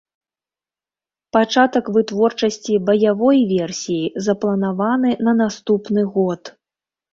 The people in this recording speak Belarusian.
Пачатак вытворчасці баявой версіі запланаваны на наступны год.